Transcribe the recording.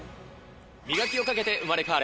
磨きをかけて生まれ変われ！